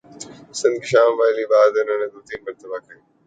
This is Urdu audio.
پسند کی شام والی بات انہوں نے دو تین مرتبہ کہی۔